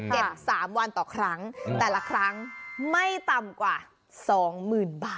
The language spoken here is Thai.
๓วันต่อครั้งแต่ละครั้งไม่ต่ำกว่า๒๐๐๐บาท